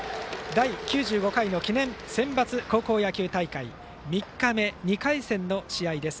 第９５回の記念センバツ高校野球大会３日目、２回戦の試合です。